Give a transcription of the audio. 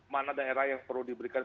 mana daerah yang perlu diberikan